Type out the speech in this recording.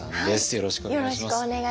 よろしくお願いします。